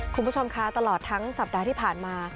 คุณผู้ชมคะตลอดทั้งสัปดาห์ที่ผ่านมา